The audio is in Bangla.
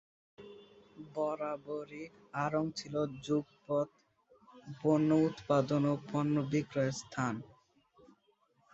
বরাবরই আড়ং ছিল যুগপৎ পণ্য উৎপাদন ও পণ্য বিক্রয়ের স্থান।